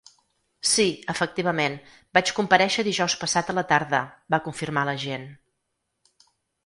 Sí, efectivament, vaig comparèixer dijous passat a la tarda, va confirmar l’agent.